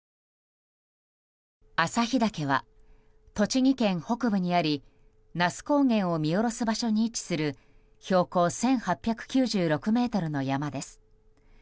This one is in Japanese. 朝日岳は、栃木県北部にあり那須高原を見下ろす場所に位置する標高１８９６ｍの山です。